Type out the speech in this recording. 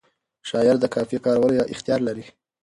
شاعر د قافیه کارولو اختیار لري.